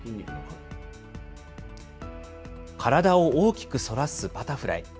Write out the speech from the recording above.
体を大きく反らすバタフライ。